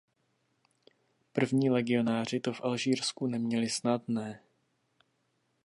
První legionáři to v Alžírsku neměli snadné.